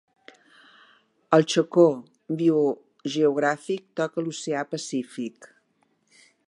El Chocó biogeogràfic toca l'oceà Pacífic.